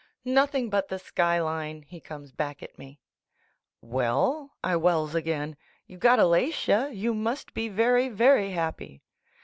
"Nothing but the sky line," he comes l)ack at me. "Well," I wells again, "you got Alatia, you must be very, very happy."